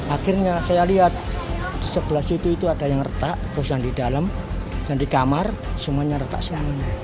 akhirnya saya lihat sebelah situ itu ada yang retak terus yang di dalam dan di kamar semuanya retak semuanya